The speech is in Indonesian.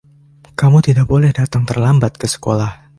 Kamu tidak boleh datang terlambat ke sekolah.